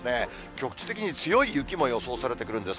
局地的に強い雪も予想されてくるんです。